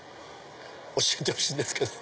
教えてほしいんですけど。